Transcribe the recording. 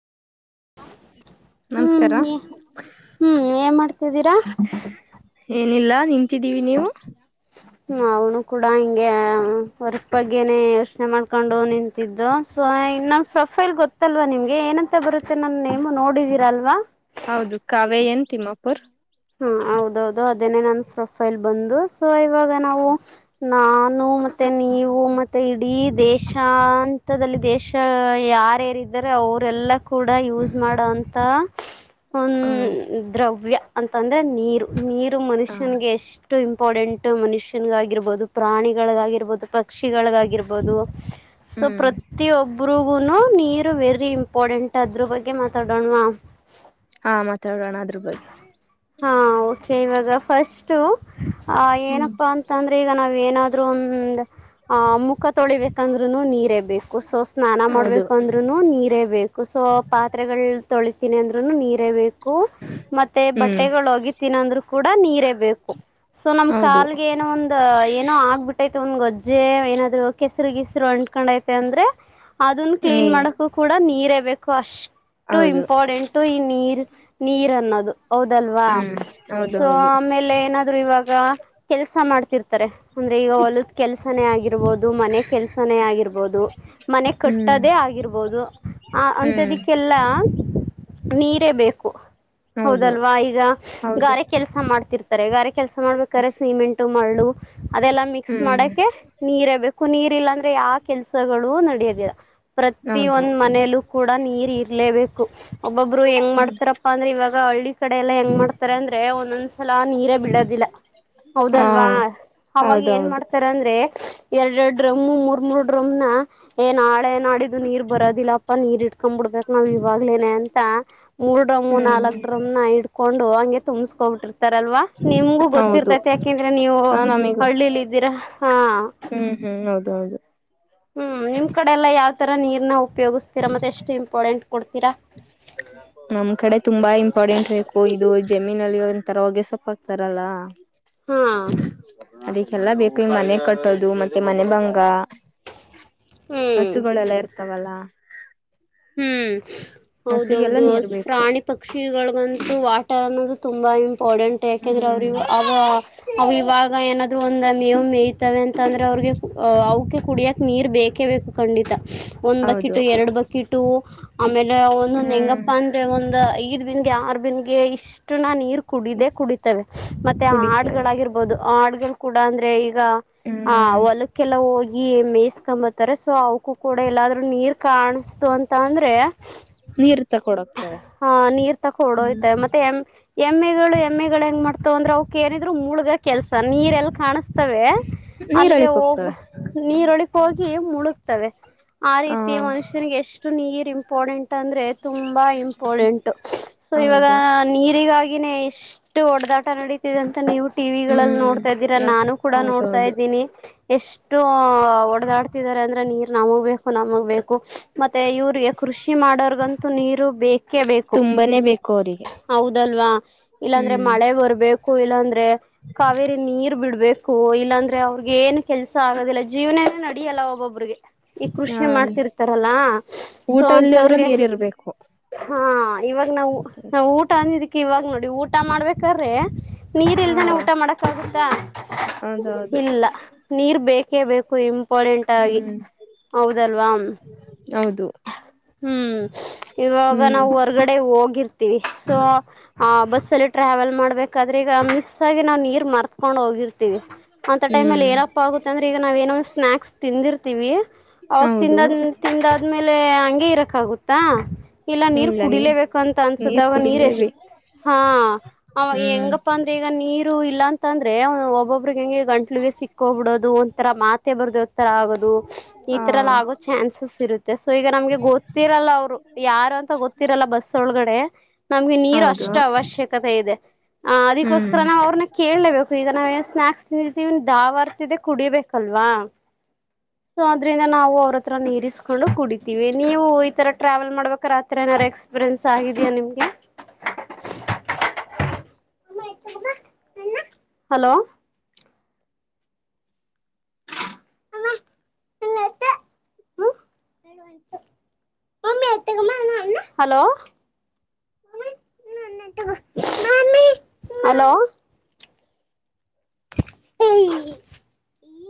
ಆಯಿ ಹ್ಮ್ ಹ್ಮ್ ಏನ್ ಮಾಡ್ತಿದ್ದೀರಾ ಇಲ್ಲಾ ನಿಂತಿದ್ದೀವಿ ನೀವು ಹ್ಮ ಅವನು ಕೂಡ ಹಿಂಗೆ ಹೊರ್ಕ್ ಬಗ್ಗೆನೆೇ ಯೋಚನೆ ಮಾಡ್ಕೊಂಡು ನಿಂತಿದ್ದು ಸ ನಮ್ಮ್ ಪ್ರೊಫೈಲ್ ಗೊತ್ತಲ್ವಾ ನಿಮ್ಗೆ ಏನಂತ ಬರುತ್ತೆ ನನ್ನ ನೇಮ್ ನೋಡಿದೀರಾಲ್ವಾ ಹೌದು ಕಾವೇ ಎನ್ ತಿಮ್ಮಪುರ್ ಹಾ ಹೌದೌದು ಅದೇನೇ ನನ್ ಪ್ರೊಫೈಲ್ ಬಂದು ಸೊ ಇವಾಗ ನಾವು ನಾನು ಮತ್ತೆ ನೀವು ಮತ್ತೆ ಇಡೀ ದೇಶಾಂತದಲ್ಲಿ ದೇಶ ಯ ಯಾರ್ಯಾರ ಇದಾರೆ ಅವರೆಲ್ಲ ಕೂಡ ಯೂಸ್ ಮಾಡೋಂತ ಒ ಹ ದ್ರವ್ಯ ಅಂತಂದ್ರೆ ನೀರು ನೀರು ಹ ಮನುಷ್ಯನ್ಗೆ ಎಷ್ಟ ಇಷ್ಟು ಇಂಪಾರ್ಟೆಂಟ್ ಮನುಷ್ಯನ್ಗಾಗಿರ್ಬೋದು ಪ್ರಾಣಿಗಳಿಗಾಗಿರ್ಬೋದು ಪಕ್ಷಿಗಳಿಗಾಗಿರ್ಬೋದು ಸೊ ಹ್ಮ್ ಪ್ರತಿಯೊಬರಿಗುನು ನೀರು ವೆರಿ ಇಂ ಇಪೋಡೆಂಟ್ ಅದ್ರ ಬಗ್ಗೆ ಮಾತಾಡೋಣವಾ ಹಾ ಮತ ಅದ್ರ ಬಗ್ಗೆ ಹಾ ಓಕೆ ಇವಾಗ ಫಸ್ಟ್ ಆ ಹ್ಮ್ ಏನಪ್ಪಾ ಅಂತಂದ್ರೆ ಈಗ ನಾವ ಏನಾದ್ರು ಒಂದ ಆ ಮುಖ ತೊಳಿಬೇಕಂದ್ರುನು ನೀರೇ ಬೇಕು ಸೊ ಸ್ನಾನ ಹೌದು ಮಾಡ್ಬೇಕುಂದ್ರುನು ನೀರೇ ಬೇಕು ಸೊ ಪಾತ್ರೆಗಳು ತೊಳತೀನಿ ಅಂದ್ರುನು ನೀರೇ ಬೇಕು ಮತ್ತೆ ಹ್ಮ್ ಬಟ್ಟೆಗಳು ಹೋಗಿ ತಿನ್ನಂದ್ರು ಕೂಡ ನೀರೇ ಬೇಕು ಸೊ ನಮ್ ಹೌದು ಕಾಲ್ಗೆ ಏನೋ ಒಂದ ಏನೋ ಆಗ್ಬಿಟ್ಟತ್ ಒಂದ್ ಗೊಜ್ಜೆ ಏನಾದ್ರು ಕೆಸರು ಗಸರು ಅಂಕೊಂಡ್ಐತೆ ಅಂದ್ರೆ ಅದನ್ನ ನೀ ಕ್ಲೀನ್ ಮಾಡಕ್ಕೂ ಕೂಡ ನೀರೇ ಬೇಕು ಅಷ್ಟು ಹೌದು ಇಂಪಾರ್ಟೆಂಟು ಈ ನೀರು ನೀರು ಅನ್ನೋದು ಹೌದಲ್ವಾ ಹ್ಮ್ ಹೌದು ಸೊ ಹೌದು ಆಮೇಲೆ ಏನಾದ್ರು ಇವಾಗ ಕೆಲ್ಸ ಮಾಡ್ತಿರ್ತಾರೆ ಅಂದ್ರೆ ಈಗ ಹೊಲದ ಕೆಲ್ಸನೇ ಆಗಿರ್ಬಹದು ಮನೆ ಕೆಲ್ಸನೇ ಆಗಿರ್ಬಹದು ಮನೆ ಹ್ಮ್ ಕಟ್ಟದೆೇ ಆಗಿ ಆಗಿರ್ಬೋದು ಆ ಹ್ಮ್ ಅಂತದಿಕ್ಕೆಲ್ಲ ನೀರೇ ಬೇಕು ಹೌದು ಹೌದಲ್ವಾ ಈಗ ಹೌದು ಗಾರೆ ಕೆಲಸ ಮಾಡ್ತಿರ್ತಾರೆ ಗಾರೆ ಕೆಲಸ ಮಾಡ್ಬೇಕಾರೆ ಸಿಮೆಂಟ್ ಮರಳು ಅದೆಲ್ಲಾ ಮಿಕ್ಸ್ ಹ್ಮ್ ಮಾಡಕೆ ನೀರೇ ಬೇಕು ನೀರ್ ಇಲ್ಲಾ ಅಂದ್ರೆ ಯಾವ ಕೆಲ್ಸಗಳು ನಡಿಯೋದಿಲ್ಲ ಪ್ರತಿ ಹೌದು ಒಂದ್ ಮನೇಲ್ಲೂ ಕೂಡ ನೀರ್ ಇರ್ಲೇಬೇಕು ಒಬ್ಬೊಬ್ರು ಹೆಂಗ್ ಮಾಡ್ತಾರಪ್ಪ ಅಂದ್ರೆ ಇವಾಗ ಹಳ್ಳಿ ಕಡೆ ಎಲ್ಲಾ ಹೆಂಗ ಮಾಡ್ತಾರೆ ಅಂದ್ರೆ ಒಂದೊಂದ್ಸಲ ನೀರೇ ಬಿಡೋದಿಲ್ಲ ಹಾ ಹೌದಲ್ವಾ ಅವಾಗ ಏನ್ ಹೌದೌದು ಮಾಡ್ತಾರ ಅಂದ್ರೆ ಎರಡ್ ಎರಡ್ ಡ್ರಮು ಮೂರ್ ಮೂರ್ ಡ್ರಮ್ನ ಏನ್ ಆಳ ಏನ್ ಆಡಿದ ದು ನೀರ್ ಬರೋದಿಲ್ಲಪ್ಪ ನೀರ್ ಇಟ್ಕೊಂಡ್ ಬಿಡ್ಬೇಕಕ್ ನಾವ್ ಇವಾಗ್ಲೇನೆ ಅಂತ ಮೂರ್ ಡಮ್ಮ ಹ್ಮ್ ನಾಲ್ಕ್ ಇಡ್ಕೊಂಡು ಹಂಗ ತುಂಬ್ಸ್ಕೋಬಿಟ್ಟಿರ್ತಾರಲ್ವಾ ನಿಮ್ಗು ಹೌದು ಗೊತ್ತಿರ್ತೈತಿ ಯಾಕಂದ್ರೆ ನೀವು ಹ ನಮಗೂ ಹಳ್ಳಿಲ್ ಇದ್ದೀರಾ ಹಾ ಹ್ಮ್ ಹ್ಮ್ ಹೌದ ಹೌದು ಹ್ಮ್ ನಿಮ್ ಕಡೆ ಎಲ್ಲಾ ಯಾವ್ ತರ ನೀರ್ನ ಉಪಯೋಗಿಸ್ತೀರಾ ಮತ್ತೆ ಎಷ್ಟು ಇಂಪಾರ್ಟೆಂಟ್ ಕೊಡ್ತೀರಾ ನಮ್ ಕಡೆ ತುಂಬಾ ಇಂಪಾರ್ಟೆಂಟ್ ಬೇಕು ಇದು ಜಮೀನಲ್ಲಿ ಒಂತರ ಹೊಗೆ ಸೊಪ್ಪ ಆಗ್ತಾರಲ್ಲ ಹಾ ಅದಕ್ಕೆಲ್ಲಾ ಬೇಕು ಈ ಮನೆ ಕಟ್ಟೋದು ಮತ್ತೆ ಮನೆ ಬಂಗ ಹ್ಮ್ ಹಸುಗಳೆಲ್ಲ ಇರ್ತಾವಲ್ಲ ಹ್ಮ್ ಹಸುಗೆಲ್ಲ ಹೌದೌದು ನೀರ್ ಬೇಕು ಪ್ರಾಣಿ ಪಕ್ಷಿಗಳಗಂತೂ ವಾಟ ಅನ್ನೋದು ತುಂಬ ಇಂಪಾರಡೆೆಂಟ್ ಯಾಕೆಂದರೆೆ ಅವ್ರ ಆ ಅ ಇವಾಗ ಏನಾದ್ರು ಒಂದ ಮೇವು ಮೇಯ್ತವೆ ಅಂತ ಅಂದ್ರೆ ಅವ್ರಿಗೆ ಅವಕ ಕುಡಿಯಕ್ ನೀರ್ ಬೇಕೇ ಬೇಕು ಖಂಡಿತ ಒಂದ್ ಹೌದು ಬಕಿಟು ಎರಡು ಬಕೆಟು ಆಮೇಲೆ ಒಂದೊಂದ ಹೆಂಗಪ್ಪ ಅಂದ್ರೆ ಒಂದ ಈ ನ್ಗೆ ಯರ್ ಬಿನ್ಗೆ ಇಷ್ಟುನ ನೀರ್ ಕುಡಿದೇ ಕುಡಿತವೆ ಮತ್ತೆ ಕುಡಿತೇವೆ ಹಾಡ್ಗಳಾಗಿರ್ಬಹುದು ಹಾಡ್ಗಲ್ ಕೂಡ ಅಂದ್ರೆ ಈಗ ಆ ಹ್ಮ್ ಹೊಲಕ್ಕೆಲ್ಲ ಹೋಗಿ ಮೇಯಸ್ಕೊಂಬತಾರೆ ಸೊ ಅವಕೂ ಕೂಡ ಎಲ್ಲಾದ್ ನೀರ್ ಕಾಣ ಅಂತ ಅಂದ್ರೆ ನೀರ್ ತಕೊಡೋಗ್ತವೆ ಆಹ ನೀರ್ ತಕ ಹೊಡೋಯ್ತೆ ಮತ್ತೆ ಎಂ ಎ ಗಳು ಎಮ್ ಹೆಂಗ ಮಾಡ್ತವ ಅಂದ್ರೆಕೆ ಮುಳಗ ಕೆಲ್ಸ ನೀರ್ ಎಲ್ ಕಾಣಿಸತವೆ ಅಲ್ಲಿಗೆ ನೀರಳಿಕ್ ಹೋಗ ಹೋಗ್ತವೆ ನೀರೊಳಗ್ ಹೋಗ ಮುಳುಗ್ತವೆ ಆ ಹ ರೀತಿ ಮನುಷ್ಯ ಎಷ್ಟು ನೀರ್ ಇಂಪೋಡೆಂಟ್ ಅಂದ್ರೆ ತುಂಬಾ ಇಂಪೋಡೆಂಟ್ ಸೊ ಇವಾಗ ಹೌದು ನೀರ್ ಇದಗಾಗಿ ಇಷ್ಟು ಹೊಡೆದಾ ಕ ನಡೀತಿದೆ ಅಂತ ನೀವು ಟಿವಿ ಗಳಲ್ಲಿ ಹ್ಮ್ ನೋಡ್ತಾ ಇದ್ದೀರಾ ನಾನು ಕೂಡ ನೋಡ್ತಾ ಹೌದೌದು ಇದ್ದೀನಿ ಎಷ್ಟು ಒಡೆದಾಡ್ತಿದ್ದಾರೆ ಅಂದ್ರೆ ನೀರ್ ನಮಗ್ ಬೇಕು ನಮಗ್ ಬೇಕು ಮತ್ತೆ ಇವ್ರಿಗೆ ಕೃಷಿ ಮಾಡೋರ್ಗಂತೂ ನೀರು ಬೇಕೇ ಬೇಕು ತುಂಬಾನೇ ಬೇಕು ಅವರಿಗೆ ಹೌದಲ್ವಾ ಇಲ್ಲಾಂದ್ರೆ ಹ್ಮ್ ಮಳೆ ಬರ್ಬೇಕು ಕೊಯ್ ಅಂದ್ರೆ ಕಾವೇರಿ ನೀರ್ ಬಿಡ್ಬೇಕು ಇಲ್ಲಾಂದ್ರೆ ಅವ್ರಗ ಏನು ಕೆಲ್ಸ ಆಗೋದಿಲ್ಲ ಜೀವನ ಎಲ್ಲ ನಡಿಯಲ್ಲ ಒಬ್ಬೊಬ್ರಿಗೆ ಈ ಹ ಕೃಷಿ ಮಾಡ್ತಿರ್ತಾರಲ್ಲಾ ಸೊ ಊಟ ಇಲ್ದದ್ರೂ ಅಂತವ್ರಿಗೆ ನೀರ್ ಇರ್ಬೇಕು ಹಾ ಇವಾಗ ನಾವು ನಾ ಊಟ ಅಂದಿದ್ದಕ್ಕೆ ಇವಾಗ ನೋಡಿ ಊಟ ಊಟ ಮಾಡ್ಬೇಕಾರ್ರಿ ನೀರ್ ಇಲ್ದನೆೇ ಹ ಊಟ ಮಾಡಕ್ ಆಗುತ್ತಾ ಹೌದೌದು ಇಲ್ಲ ನೀರ್ ಬೇಕೇ ಬೇಕು ಇಂಪಾರ್ಟೆಂಟ್ ಆಗಿ ಹ್ಮ್ ಹೌದಲ್ವಾ ಅದು ಹ್ಮ್ ಇವಾಗ ನಾವವು ಹೊರ್ಗಡೆ ಹೋಗಿರ್ತೀವಿ ಸೊ ಆ ಬಸ್ ಸಲ ಟ್ರಾವೆಲ್ ಮಾಡಬೇಕಾದ್ರೆ ಈಗ ಮಿಸ್ಸಾಗಿ ನಾವು ನೀರು ಮಾರ್ತವಿ ಕಕೊಂಡ್ ಹೋಗಿರ್ತಿವಿ ಅಂತ ಟೈಮ್ ಅಲ್ಲಿ ಹ್ಮ್ ಏನಪ್ಪಾ ಆಗುತ್ತೆ ಅಂದ್ರೆ ಈಗ ನಾವೇನಂದು ಸ್ನಾಾಕ್ಸ್ ತಿಂದಿರ್ತೀವಿ ಅವಾಗ ಹೌದು ತಿಂದದ ತಿಂದಾದ್ಮೇಲೆ ಹಂಗಗೆ ಇರಕ್ ಆಗುತ್ತಾ ಇಲ್ಲ ನೀರ್ ಕುಡಿಲೇಬೇಕು ಅಂತ ಅನ್ಸುತ್ತ ಅವಾಗ ನೀರ್ ಎಷ್ಟ ಹಾ ಹ್ಮ್ ಹೆಂಗಪ್ಪಾ ಅಂದ್ರೆ ಈಗ ನೀರು ಇಲ್ಲಾ ಅಂತ ಅಂದ್ರೆ ಒಬ್ಬೊಬ್ಬ ಒಂಗೆ ಗಂಟ್ಲಿಗೆ ಸಿಕ್ಕ್ಬಿಡೋದು ಒಂಥರ ಮಾತೆ ಬರ್ದ ಒ್ರ ಆಗೋದು ಈ ಹ ತರ ಎಲ್ಲ ಆ [unintelligible] ಸೊ ಈಗ ನಮ್ಗೆ ಗೊತ್ತಿರಲ್ಲ ಅವ್ರು ಯಾರು ಅಂತ ಗೊತ್ತಿರಲ್ಲ ಬಸ್ ಒಳಗಡೆ ನಮ್ಗೆ ನೀರು ಹೌದು ಅಷ್ಟ ಅಷ್ಟು ಅವಶ್ಯಕತೆ ಇದೆ ಅದೋಸ್ಕರ ಹ್ಮ್ ನಾವು ಅವ್ರನ್ನ ಕೇಳೇಬೇಕು ಈ ನಾವೇನ್ ಸ್ನಾಕ್ಸ್ ತಿದೀವನ್ ದಾವರ್ತಿದ್ದ ಕುಡಿಬೇಕಲ್ವಾ ಸೊ ಅದ್ರಿಂದ ನಾವು ಅವ್ರತ್ರ ನೀರಿಸ ಕಕೊಂಡು ಕುಡಿತೀವಿ ನೀವು ಈತರ ಟ್ರಾವೆಲ್ ಮಾಡ್ಬೇಕಾತ್ರಿ ಏನಾರು ಎಕ್ಸ್ಪೀರಿಯನ್ಸ್ ಆಗಿದ್ಯಾ ನಿಮ್ಗೆ ಹಲೋ ಅಮ್ಮ [unintelligible] ಹಲೋ ಹಲೋ ಹ್ಮ್ [unintelligible]